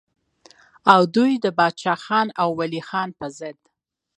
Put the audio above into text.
او دوي د باچا خان او ولي خان پۀ ضد